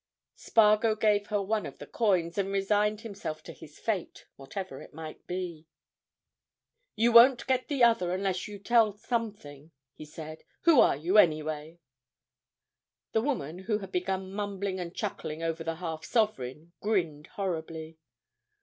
Spargo gave her one of the coins, and resigned himself to his fate, whatever it might be. "You won't get the other unless you tell something," he said. "Who are you, anyway?" The woman, who had begun mumbling and chuckling over the half sovereign, grinned horribly.